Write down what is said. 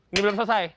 ini belum selesai